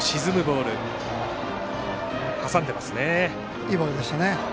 いいボールでしたね。